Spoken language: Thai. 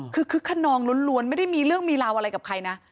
คือคึกขนองล้วนไม่ได้มีเรื่องมีราวอะไรกับใครนะ